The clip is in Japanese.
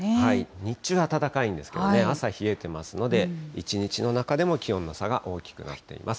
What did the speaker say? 日中は暖かいんですけどね、朝、冷えてますので、一日の中でも気温の差が大きくなっています。